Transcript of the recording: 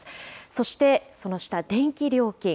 そしてその下、電気料金。